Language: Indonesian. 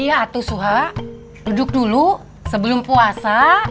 iya atau suha duduk dulu sebelum puasa